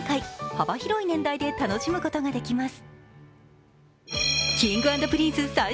幅広い年代で楽しむことができます。